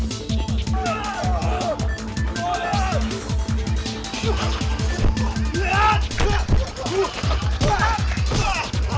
tapi terus bisa ke muff deck